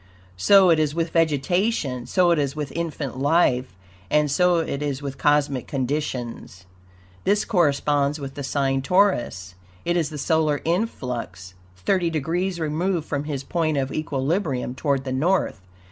So it is with vegetation, so it is with infant life, and so it is with cosmic conditions. This corresponds with the sign Taurus. It is the solar influx, thirty degrees removed from his point of equilibrium toward the North.